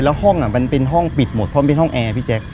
แล้วห้องมันเป็นห้องปิดหมดเพราะมันเป็นห้องแอร์พี่แจ๊ค